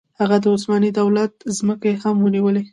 هغه د عثماني دولت ځمکې هم ونیولې.